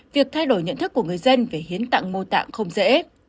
việc thay đổi nhận thức của người dân về hiến tặng mô tạng không dễ